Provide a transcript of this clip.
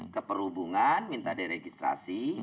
ke perhubungan minta diregistrasi